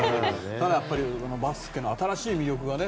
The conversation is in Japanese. ただ、やっぱりバスケの新しい魅力がね。